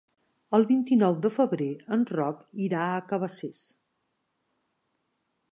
El vint-i-nou de febrer en Roc irà a Cabacés.